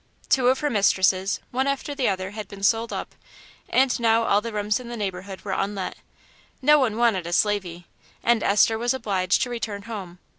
Two of her mistresses, one after the other, had been sold up, and now all the rooms in the neighbourhood were unlet, no one wanted a "slavey," and Esther was obliged to return home.